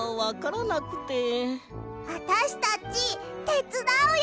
あたしたちてつだうよ！